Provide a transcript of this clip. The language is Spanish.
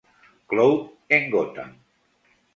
Cloud en "Gotham".